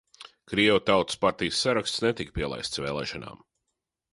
Krievu tautas partijas saraksts netika pielaists vēlēšanām.